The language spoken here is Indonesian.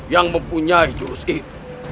yang mempunyai jurus itu